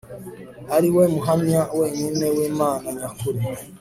ari we muhamya wenyine wImana nyakuri